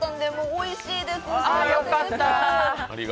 おいしいです。